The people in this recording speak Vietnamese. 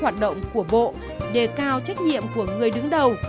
tổ chức hoạt động của bộ đề cao trách nhiệm của người đứng đầu